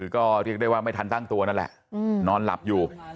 ก็เรียกได้ว่าไม่ทันตั้งตัวนั่นแหละนอนหลับอยู่